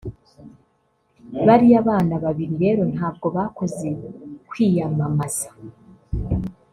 Bariya bana babiri rero ntabwo bakoze kwiyamamaza